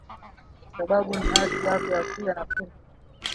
Sababu ni haki yako ya kuya na kintu